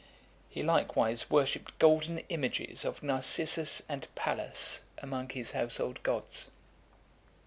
He likewise worshipped golden images of Narcissus and Pallas among his household gods.